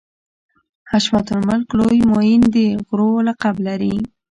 حشمت الملک لوی معین د غرو لقب لري.